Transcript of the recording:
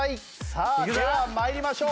さあでは参りましょう。